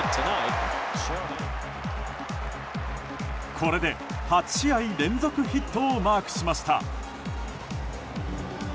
これで８試合連続ヒットをマークしました。